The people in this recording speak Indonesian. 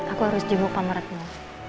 aku harus jemput pamretmu